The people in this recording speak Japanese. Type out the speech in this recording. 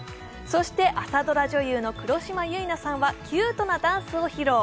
そして朝ドラ女優の黒島結菜さんはキュートなダンスを披露。